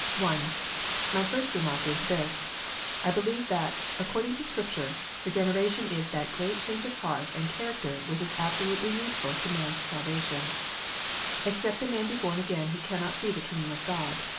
130 PRAYER BOOK STATEMENTS : REGENERATION. 131 (1) My first remark is this : I believe that, according to Scripture, Regeneration is that great change of heart and character which is absolutely needful to man s salvation, " Except a man be born again, he cannot see the kingdom of God."